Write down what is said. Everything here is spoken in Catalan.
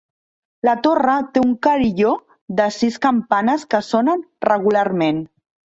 La torre té un carilló de sis campanes que sonen regularment.